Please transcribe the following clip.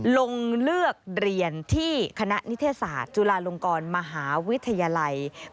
ลงเลือกเรียนที่คณะนิเทศศาสตร์จุฬาลงกรมหาวิทยาลัย